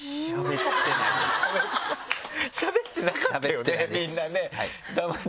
しゃべってなかったよねみんなね。